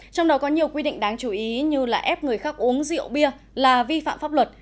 trong đó có nhiều quy định đáng chú ý như là ép người khác uống rượu bia là vi phạm pháp luật